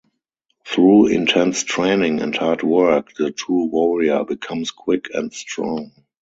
Through intense training and hard work the true warrior becomes quick and strong.